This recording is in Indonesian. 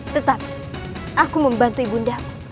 tetapi aku membantu ibu nda